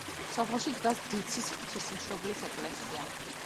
სოფელში დგას დიცის ღვთისმშობლის ეკლესია.